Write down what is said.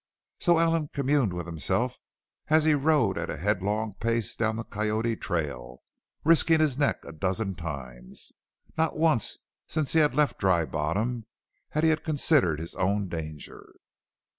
So Allen communed with himself as he rode at a head long pace down the Coyote trail, risking his neck a dozen times. Not once since he had left Dry Bottom had he considered his own danger.